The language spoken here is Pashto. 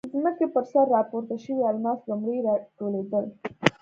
ځمکې پر سر راپورته شوي الماس لومړی راټولېدل.